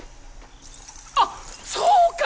あっそうか！